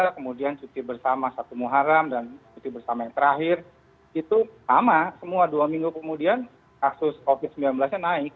kemudian cuti bersama satu muharam dan cuti bersama yang terakhir itu sama semua dua minggu kemudian kasus covid sembilan belas nya naik